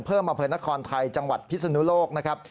เพิ่มมาเผยนครไทยจังหวัดพิษนุโลกนะครับ